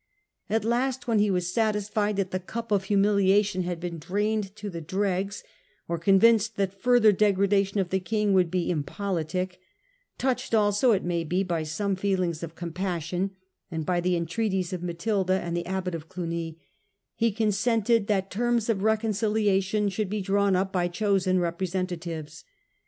At last, when he was satisfied that the cnp of humiliation had been drained to the dregs, or con vinced that further degradation of the king would be impolitic ; touched also, it may be, by some feelings of compassion, and by the entreaties of^atilda and the abbot of Clugny, he consented that terms of reconciliation should be drawn up by chosen representatives.